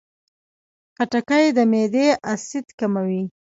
خټکی د معدې اسید کموي.